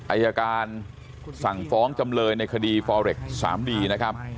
อายการสั่งฟ้องจำเลยในคดีสามดีนะครับ